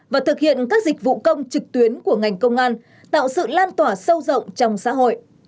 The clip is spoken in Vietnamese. và thực hiện các dịch vụ công trực tuyến của ngành công an tạo sự lan tỏa sâu rộng trong xã hội